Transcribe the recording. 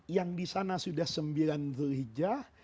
yang disana sudah sembilan dhul hijjah